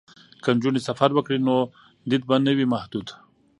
که نجونې سفر وکړي نو دید به نه وي محدود.